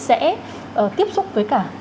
sẽ tiếp xúc với cả